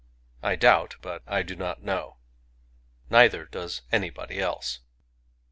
I doubt — but I do not know. Neither does anybody else.